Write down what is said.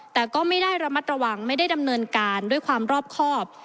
แต่ก็ไม่ได้ระมัดระวังไม่ได้ดำเนินการด้วยความรอบครอบ